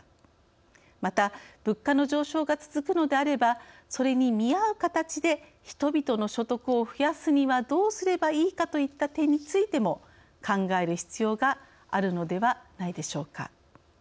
また物価の上昇が続くのであればそれに見合う形で人々の所得を増やすにはどうすればいいかといった点についても考える必要があるのではないでしょうか。